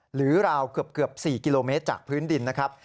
หรือราวเกือบ๔กิโลเมตรจากพื้นดินนะครับ